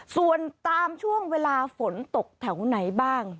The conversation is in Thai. ส่วนตามช่วงเวลาฝนตกแถวไหนบ้าง